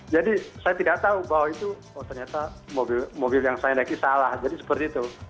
saya tidak tahu bahwa itu ternyata mobil yang saya naiki salah jadi seperti itu